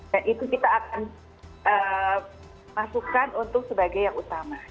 nah itu kita akan masukkan untuk sebagai yang utama